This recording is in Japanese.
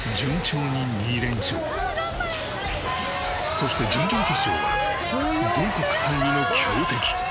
そして準々決勝は全国３位の強敵。